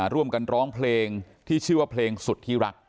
ร่วมกันร้องเพลงที่ชื่อว่าเพลงสุดที่รัก